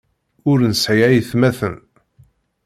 Ur nesɛi aytmaten.